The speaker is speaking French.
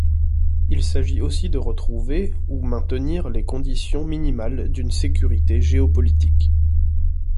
Il s'agit aussi de retrouver ou maintenir les conditions minimales d'une sécurité géopolitique.